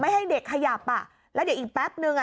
ให้เด็กขยับอ่ะแล้วเดี๋ยวอีกแป๊บนึงอ่ะ